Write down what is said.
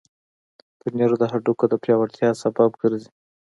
پنېر د هډوکو د پیاوړتیا سبب ګرځي.